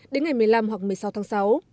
đến ngày một mươi năm hoặc một mươi sáu tháng sáu